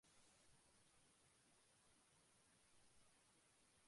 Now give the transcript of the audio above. সেখানে ব্যাটিং উদ্বোধনে নামেন।